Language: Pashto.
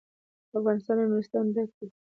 افغانستان له نورستان ډک دی.